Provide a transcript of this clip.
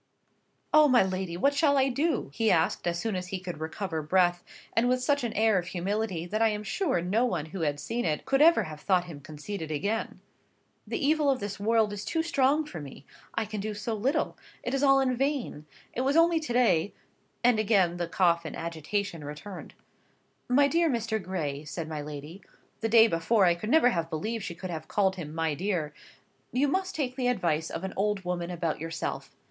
"Oh, my lady, what shall I do?" he asked, as soon as he could recover breath, and with such an air of humility, that I am sure no one who had seen it could have ever thought him conceited again. "The evil of this world is too strong for me. I can do so little. It is all in vain. It was only to day—" and again the cough and agitation returned. "My dear Mr. Gray," said my lady (the day before I could never have believed she could have called him My dear), "you must take the advice of an old woman about yourself.